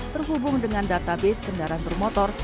terhubung dengan database kendaraan bermotor